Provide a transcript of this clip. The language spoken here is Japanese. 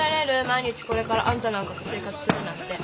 毎日これからあんたなんかと生活するなんて。